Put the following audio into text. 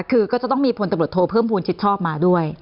คือก็จะต้องมีพลตำรวจโทเพิ่มภูมิชิดชอบมาด้วย